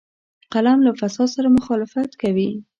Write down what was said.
قلم له فساد سره مخالفت کوي